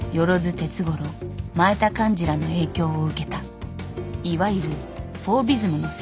鉄五郎前田寛治らの影響を受けた」「いわゆるフォービズムの先駆者」